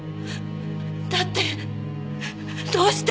だってどうして？